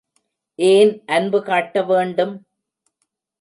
ஏன் அன்பு காட்ட வேண்டும்?